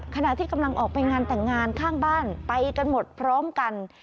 ขณะที่กำลังออกไปงานแต่งงานข้างบ้านไปกันหมดพร้อมกัน